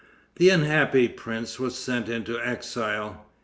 The unhappy prince was sent into exile.